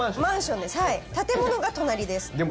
マンションです建物が隣です。